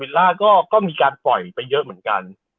ล่าก็มีการปล่อยไปเยอะเหมือนกัน